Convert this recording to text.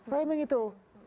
framing itu ya